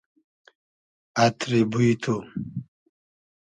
اتری بوی تو